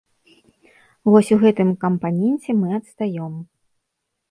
Вось у гэтым кампаненце мы адстаём.